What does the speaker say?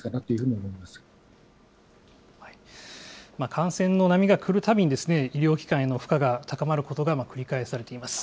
感染の波が来るたびに、医療機関への負荷が高まることが繰り返されています。